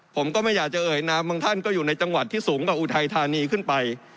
ผมก็ไม่อยากจะเอ่ยนามบางท่านก็อยู่ในจังหวัดที่สูงกว่าอุทัยธานีขึ้นไป